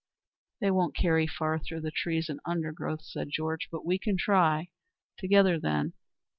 "They won't carry far through the trees and undergrowth," said Georg, "but we can try. Together, then."